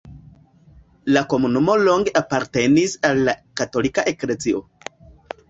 La komunumo longe apartenis al la katolika eklezio.